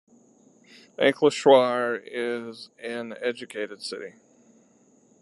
Ankleshwar is an educated city.